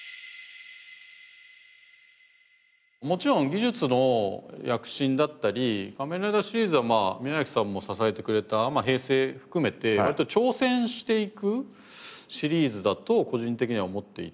もちろん技術の躍進だったり『仮面ライダー』シリーズは宮崎さんも支えてくれた平成含めて割と挑戦していくシリーズだと個人的には思っていて。